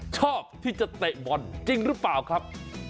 ชอบที่จะเตะบอลจริงหรือเปล่าครับ